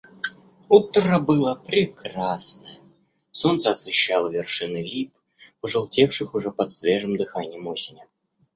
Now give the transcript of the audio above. Утро было прекрасное, солнце освещало вершины лип, пожелтевших уже под свежим дыханием осени.